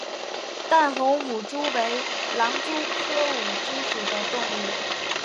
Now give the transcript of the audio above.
淡红舞蛛为狼蛛科舞蛛属的动物。